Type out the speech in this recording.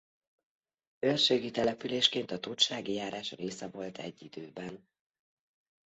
Őrségi településként a tótsági járás része volt egy időben.